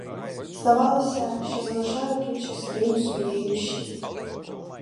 Здавалося, що залишає тут частину своєї душі.